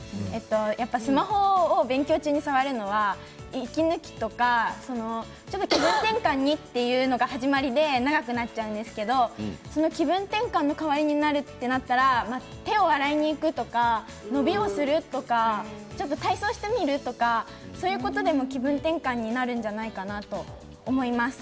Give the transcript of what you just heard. やっぱりスマホを勉強中に触るのは息抜きとか、ちょっと気分転換にというのが始まりで長くなっちゃうんですけどその気分転換の代わりになるとなったら手を洗いに行くとかのびをするとかちょっと体操してみるとかそういうことでも気分転換になるんじゃないかなと思います。